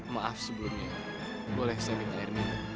maaf sebelumnya boleh saya minta air minum